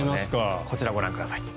こちらご覧ください。